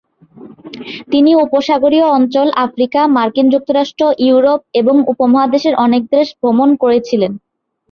তিনি উপসাগরীয় অঞ্চল, আফ্রিকা, মার্কিন যুক্তরাষ্ট্র, ইউরোপ এবং উপমহাদেশের অনেক দেশ ভ্রমণ করেছিলেন।